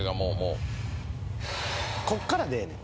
「こっからでええねん」